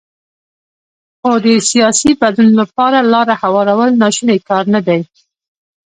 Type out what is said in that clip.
خو د سیاسي بدلون لپاره لاره هوارول ناشونی کار نه دی.